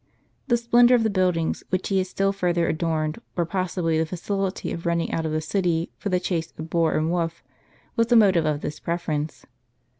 The splendor of the buildings, which he had still further adorned, or possibly the facility of running out of the city for the chase of boar and wolf, was the motive of this preference.